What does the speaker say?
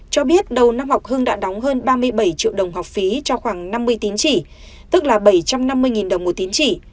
cho biết đầu năm học hưng đã đóng hơn ba mươi bảy triệu đồng học phí cho khoảng năm mươi tín chỉ tức là bảy trăm năm mươi đồng một tín chỉ